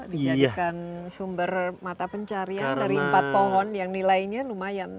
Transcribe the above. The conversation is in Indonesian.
dijadikan sumber mata pencarian dari empat pohon yang nilainya lumayan